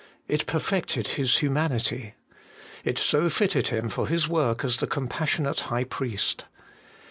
It perfected His humanity. It so fitted Him for His work as the Compassionate High Priest.